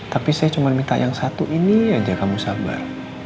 tapi saya cuma minta yang satu ini aja kamu sabar